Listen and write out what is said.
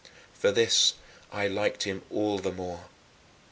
For this I liked him all the more.